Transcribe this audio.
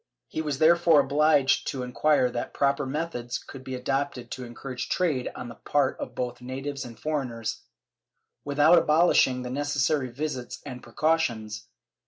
He was therefore obliged to enquire what proper methods could be adopted to encourage trade on the part of both natives and foreigners, without abolishing the necessary visits and precautions.